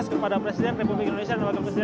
negara kesatuan republik indonesia